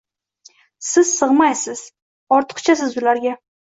Siz sig’maysiz, ortiqchasiz ularga.